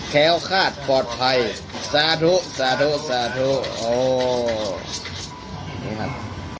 แค้วคาดปลอดภัยสาธุสาธุสาธุโอ้นี่ครับ